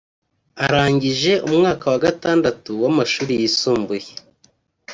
arangije umwaka wa gatandatu w’amashuri yisumbuye